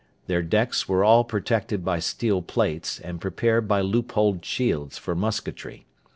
Their decks were all protected by steel plates, and prepared by loopholed shields for musketry.